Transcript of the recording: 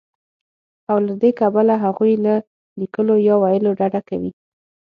او له دې کبله هغوی له ليکلو يا ويلو ډډه کوي